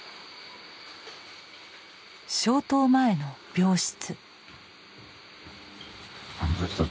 消灯前の病室。